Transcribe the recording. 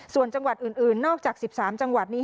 ส่วนจังหวัดอื่นนอกจาก๑๓จังหวัดนี้